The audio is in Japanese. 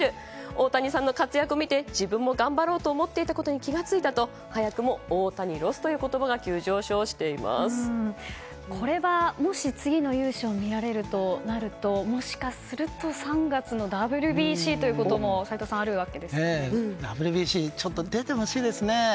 大谷さんの活躍を見て、自分も頑張ろうと思っていたことに気が付いたと早くも大谷ロスという言葉がこれはもし次の雄姿を見られるとなるともしかすると３月のＷＢＣということもＷＢＣ、出てほしいですね。